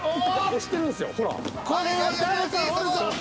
押してるんすよほら。